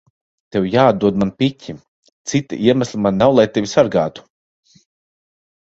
Tev jāatdod man piķi. Cita iemesla man nav, lai tevi sargātu.